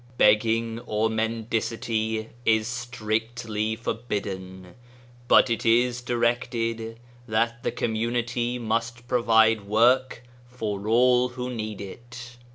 Begging or mendicity is strictly forbidden, but it is directed that the com munity must provide work for all who need it.